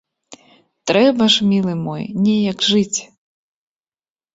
Трэба ж, мілы мой, неяк жыць!